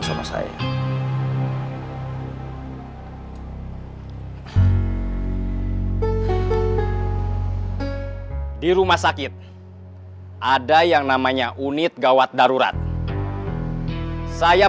sampai jumpa di video selanjutnya